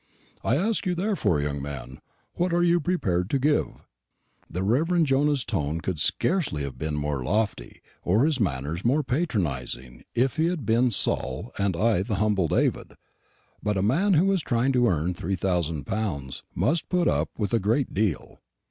I ask you, therefore, young man, what are you prepared to give?" The Rev. Jonah's tone could scarcely have been more lofty, or his manner more patronising, if he had been Saul and I the humble David; but a man who is trying to earn three thousand pounds must put up with a great deal.